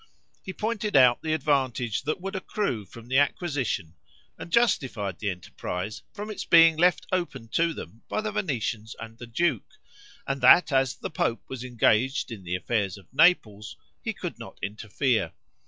He pointed out the advantage that would accrue from the acquisition, and justified the enterprise from its being left open to them by the Venetians and the duke, and that as the pope was engaged in the affairs of Naples, he could not interfere.